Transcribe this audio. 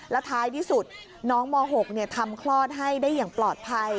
แล้วท้ายที่สุดน้องม๖ทำคลอดให้ได้อย่างปลอดภัย